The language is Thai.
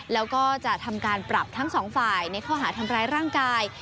แล้วก็จะทำการปรับทั้งสองฝ่ายในข้อหาทำร้ายร่างกาย